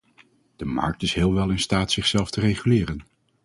De markt is heel wel in staat zichzelf te reguleren.